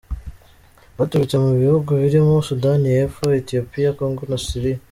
Baturutse mu bihugu birimo Sudani y'Epfo, Etiyopiya, Congo na Siriya.